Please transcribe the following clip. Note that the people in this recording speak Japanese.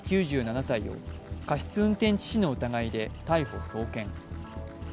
９７歳を過失運転致死の疑いで逮捕・送検。